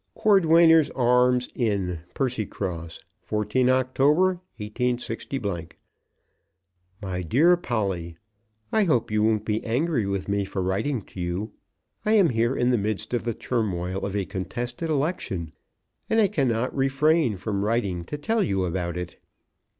Cordwainers' Arms Inn, Percycross, 14 October, 186 . MY DEAR POLLY, I hope you won't be angry with me for writing to you. I am here in the midst of the turmoil of a contested election, and I cannot refrain from writing to tell you about it.